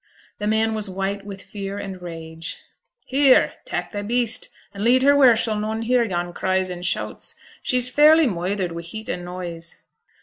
The man was white with fear and rage. 'Here, tak' thy beast, and lead her wheere she'll noane hear yon cries and shouts. She's fairly moithered wi' heat an' noise.'